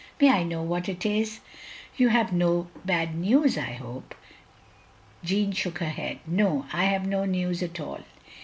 "May I know what it is? You have no bad news, I hope?" Jeanne shook her head. " No, I have no news at all.